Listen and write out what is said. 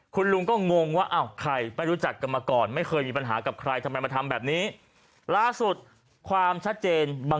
คุณลุงก็งงว่าอ้าวใครไม่รู้จักกันมาก่อน